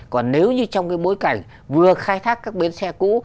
còn nếu như trong cái bối cảnh vừa khai thác các bến xe cũ